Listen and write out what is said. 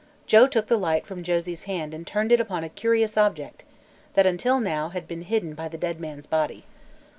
Joe took the light from Josie's hand and turned it upon a curious object that until now had been hidden by the dead man's body.